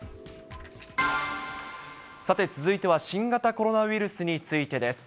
さて続いては新型コロナウイルスについてです。